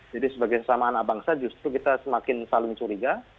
jadi sebagai sesama anak bangsa justru kita semakin saling curiga